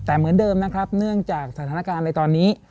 แต่เหมือนเดิมนะครับเนื่องจากสถานการณ์ในตอนนี้